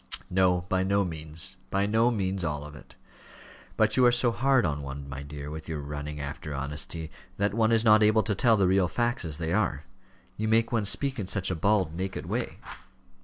"No, by no means, by no means all of it. But you are so hard on one, my dear, with your running after honesty, that one is not able to tell the real facts as they are. You make one speak in such a bald, naked way."